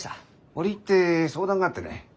折り入って相談があってね。